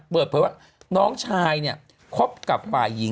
เปิดเผยว่าน้องชายเนี่ยคบกับฝ่ายหญิง